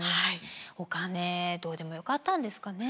お金どうでもよかったんですかね。